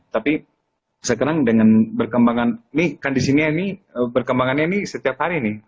tapi sekarang dengan berkembangannya kan di sini berkembangannya ini setiap hari nih